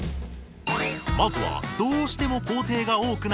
まずはどうしても工程が多くなるシャツ。